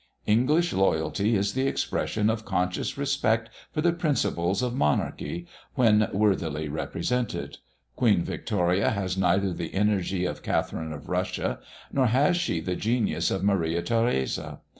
English loyalty is the expression of conscious respect for the principles of monarchy, when worthily represented. Queen Victoria has neither the energy of Catharine of Russia, nor has she the genius of Maria Theresa.